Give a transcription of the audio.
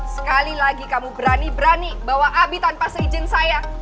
sekali lagi kamu berani berani bawa abi tanpa seizin saya